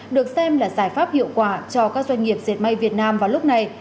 được xem là giải pháp hiệu quả cho các doanh nghiệp dệt may việt nam vào lúc này